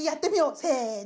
せの！